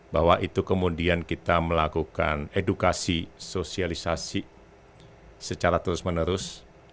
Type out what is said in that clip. bahwa itu kemudian kita melakukan edukasi sosialisasi secara terus menerus